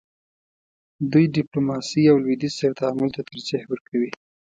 دوی ډیپلوماسۍ او لویدیځ سره تعامل ته ترجیح ورکوي.